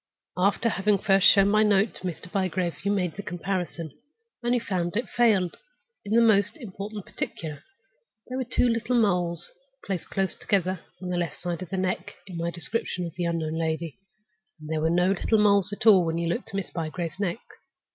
—after having first shown my note to Mr. Bygrave, you made the comparison, and you found it fail in the most important particular. There were two little moles placed close together on the left side of the neck, in my description of the unknown lady, and there were no little moles at all when you looked at Miss Bygrave's neck.